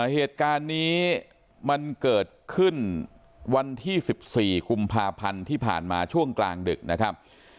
เหตุการณ์นี้มันเกิดขึ้นวันที่๑๔กุมภาพันธ์ที่ผ่านมาช่วงกลางดึกนะครับ